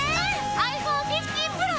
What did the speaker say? ｉＰｈｏｎｅ１５Ｐｒｏ。